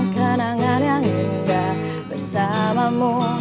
kenangan yang indah bersamamu